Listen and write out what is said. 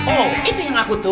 oh itu yang aku tuh